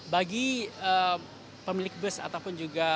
bagi pemilik bus ataupun juga